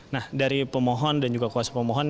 nah dari pemohon dan juga kuasa pemohon